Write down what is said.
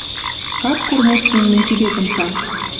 Кад кормежтем мӹнь кидетӹм цат!